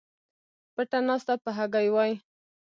پټه ناسته په هګۍ وای